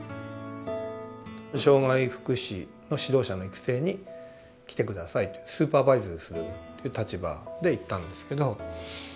障害福祉の指導者の育成に来て下さいとスーパーバイズするという立場で行ったんですけど。